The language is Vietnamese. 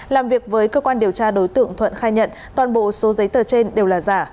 làm việc với cơ quan điều tra đối tượng thuận khai nhận toàn bộ số giấy tờ trên đều là giả